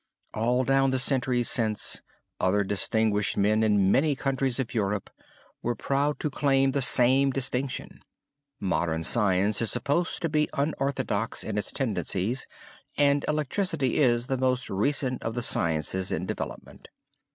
All down the centuries since, other distinguished men in many countries of Europe were proud to claim the same distinction. Modern science is supposed to be unorthodox in its tendencies and electricity is the most recent of the sciences in development.